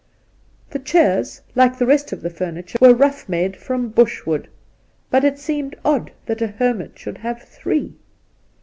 The chairs, like, the rest of the furniture, were rough made from bushwood ; but it seemed odd that a hermit should have three.